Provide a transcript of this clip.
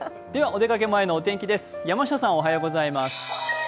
お出かけ前のお天気です。